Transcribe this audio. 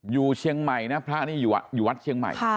อยู่เชียงใหม่นะพระนี่อยู่วัดเชียงใหม่